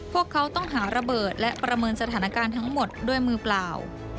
พวกเขาต้องหาระเบิดและประเมินสถานการณ์ทั้งหมดด้วยมือเปล่า